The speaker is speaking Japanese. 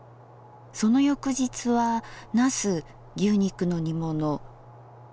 その翌日は「茄子牛肉の煮物」。